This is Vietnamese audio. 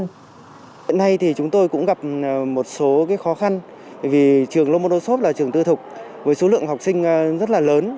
hiện nay thì chúng tôi cũng gặp một số khó khăn vì trường lomondosov là trường tư thục với số lượng học sinh rất là lớn